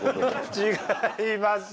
違います。